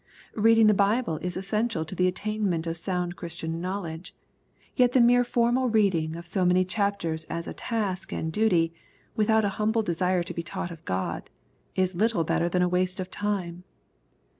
— Beading the Bible is essential to the attain ment of sound Christian knowledge ; yet the mere for mal reading of so many chapters as a task and duty, with out a humble desire to be taught of God, is little better than a waste of time.